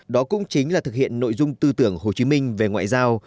đó cũng chính là thực hiện nội dung tư tưởng hồ chí minh về ngoại giao